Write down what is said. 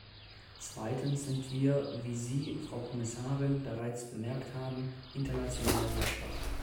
Zweitens sind wir, wie Sie, Frau Kommissarin, bereits bemerkt haben, international sehr schwach.